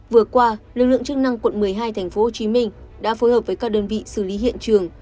vừa qua lực lượng chức năng quận một mươi hai tp hcm đã phối hợp với các đơn vị xử lý hiện trường